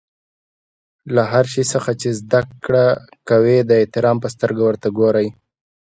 له هر شي څخه چي زدکړه کوى؛ د احترام په سترګه ورته ګورئ!